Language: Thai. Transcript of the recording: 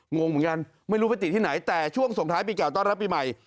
งงเหมือนกันไม่รู้ไปติดที่ไหนแต่ช่วงส่งท้ายปีเก่าต้อนรับปีใหม่